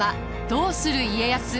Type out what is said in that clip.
「どうする家康」。